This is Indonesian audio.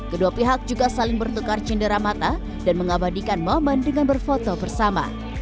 kedua pihak juga saling bertukar cindera mata dan mengabadikan momen dengan berfoto bersama